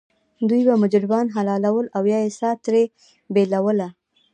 دوی به مجرمان حلالول او یا یې سا ترې بیټوله.